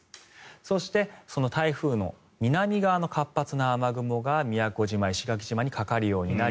そして、台風の南側の活発な雨雲が宮古島、石垣島にかかるようになり。